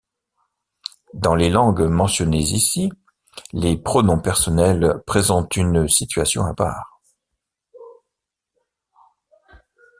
Dans les langues mentionnées ici, les pronoms personnels présentent une situation à part.